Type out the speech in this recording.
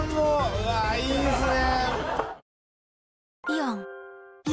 うわいいですね。